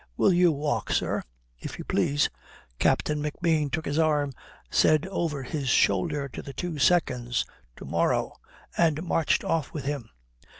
Will you walk, sir?" "If you please." Captain McBean took his arm, said over his shoulder to the two seconds "To morrow," and marched off with him.